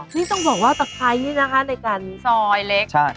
นี่ต้องบอกว่าตะไคร้นี่นะคะในการซอยเล็ก